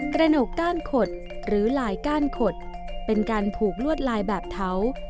หนกก้านขดหรือลายก้านขดเป็นการผูกลวดลายแบบเถา